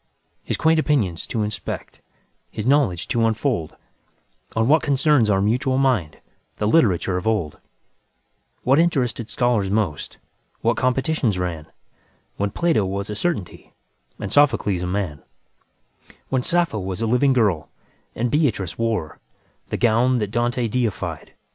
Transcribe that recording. His quaint opinions to inspect, His knowledge to unfoldOn what concerns our mutual mind, The literature of old; What interested scholars most, What competitions ranWhen Plato was a certainty, And Sophocles a man; When Sappho was a living girl, And Beatrice woreThe gown that Dante deified.